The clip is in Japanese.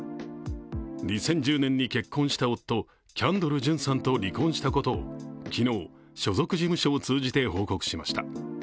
２０１０年に結婚した夫キャンドル・ジュンさんと離婚したことを昨日、所属事務所を通じて報告しました。